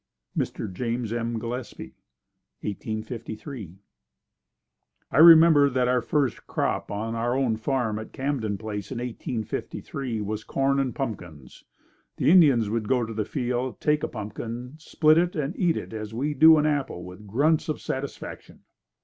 Mr. James M. Gillespie 1853. I remember that our first crop on our own farm at Camden Place in 1853 was corn and pumpkins. The Indians would go to the field, take a pumpkin, split it and eat it as we do an apple with grunts of satisfaction.